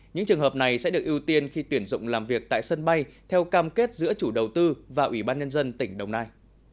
những trường hợp này sẽ được ưu tiên khi tuyển dụng làm việc tại sân bay theo cam kết giữa chủ đầu tư và ủy ban nhân dân tỉnh đồng nai